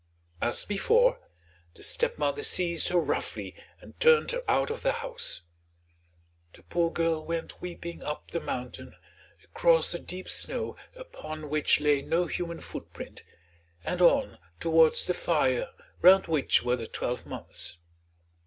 As before, the stepmother seized her roughly and turned her out of the house. The poor girl went weeping up the mountain, across the deep snow upon which lay no human footprint, and on towards the fire round which were the twelve months.